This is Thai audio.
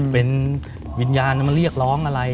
เป็นวิญญาณมาเรียกร้องอะไร